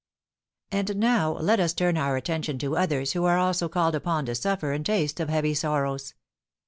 "And now let us turn our attention to others who are also called upon to suffer and taste of heavy sorrows.